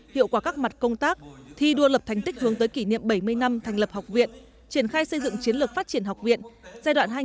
hiệu quả các mặt công tác thi đua lập thành tích hướng tới kỷ niệm bảy mươi năm thành lập học viện triển khai xây dựng chiến lược phát triển học viện